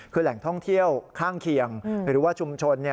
คือแหล่งท่องเที่ยวข้างเคียงหรือว่าชุมชน